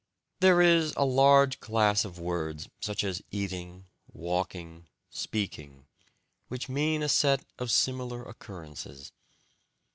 There is a large class of words, such as "eating," "walking," "speaking," which mean a set of similar occurrences.